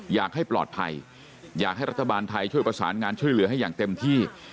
อยากให้ปลอดภัยอยากให้รัฐบาลไทยช่วยประสานงานช่วยเหลือให้อย่างเต็มที่